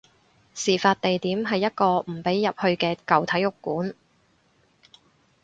事發地點係一個唔俾入去嘅舊體育館